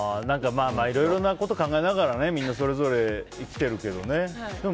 いろんなこと考えながらみんな、それぞれ生きてるけどね。